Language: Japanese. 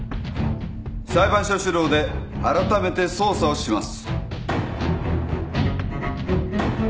裁判所主導であらためて捜査をします。